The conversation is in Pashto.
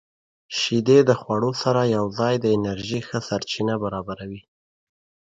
• شیدې د خوړو سره یوځای د انرژۍ ښه سرچینه برابروي.